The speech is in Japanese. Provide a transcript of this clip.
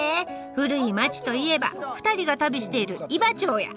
古い町といえば２人が旅している伊庭町や！」。